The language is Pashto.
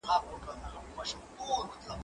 ايا ته اوبه څښې.